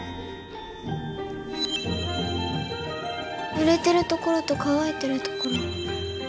ぬれてるところと乾いてるところ。